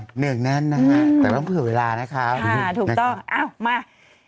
หนึ่งนั้นน่าร่ะแต่ต้องเผื่อเวลานะคะค่ะถูกต้องเอามา